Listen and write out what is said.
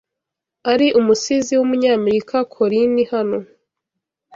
ari umusizi w’umunyamerika Colini hano